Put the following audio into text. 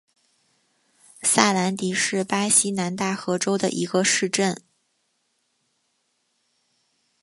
萨兰迪是巴西南大河州的一个市镇。